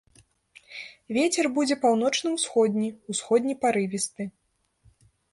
Вецер будзе паўночна-ўсходні, усходні парывісты.